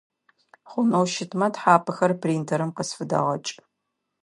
Хъунэу щытмэ тхьапэхэр принтерым къысфыдэгъэкӏ.